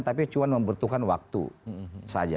tapi cuma membutuhkan waktu saja